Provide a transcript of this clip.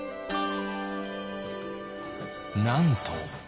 なんと。